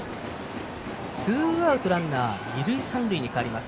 ツーアウトランナー二塁三塁に変わります。